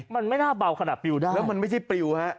มันไม่น่าเบาในภาพนะ